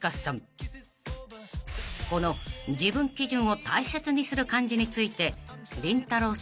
［この自分基準を大切にする感じについてりんたろー。